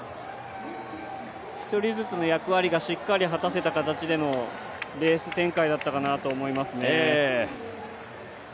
一人ずつ役割がしっかり果たせた形でのレース展開だったと思いますね。